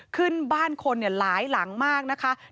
ขึ้นบ้านคนหลายหลังมากนะคะ